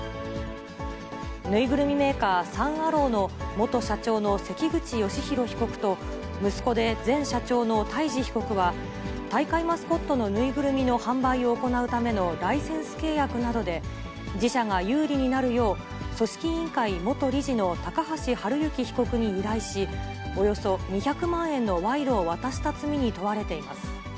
縫いぐるみメーカー、サン・アローの元社長の関口芳弘被告と、息子で前社長の太嗣被告は、大会マスコットの縫いぐるみの販売を行うためのライセンス契約などで、自社が有利になるよう、組織委員会元理事の高橋治之被告に依頼し、およそ２００万円の賄賂を渡した罪に問われています。